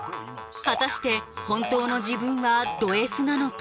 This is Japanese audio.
果たして本当の自分はドＳなのか？